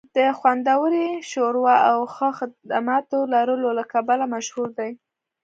د خوندورې ښوروا او ښه خدماتو لرلو له کبله مشهور دی